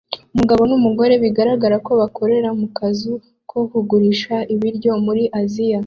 Umugabo numugore bigaragara ko bakorera mu kazu ko kugurisha ibiryo muri Aziya